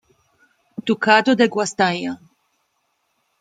Ducado de Guastalla